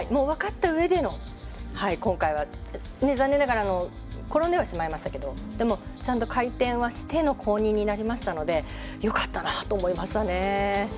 分かった上での今回は残念ながら転んではしまいましたけどでもちゃんと回転はしての公認になりましたのでよかったなと思いましたね。